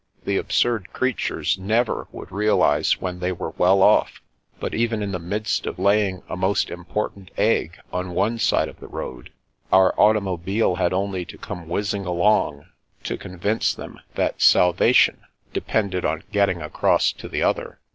The absurd creatures never would realise when they were well oflf, but even in the midst of laying a most important egg on one side of the road, our automobile had only to come whizzing along to convince them that salvation depended on getting across to the other.